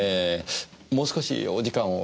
もう少しお時間を。